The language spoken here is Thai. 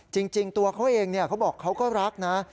จริงตัวเขาเองเขาบอกเขาก็รักนะ